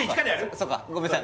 そうかごめんなさい